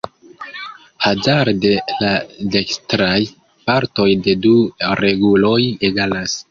Hazarde la dekstraj partoj de du reguloj egalas.